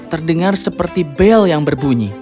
dan aku mendengar seperti bel yang berbunyi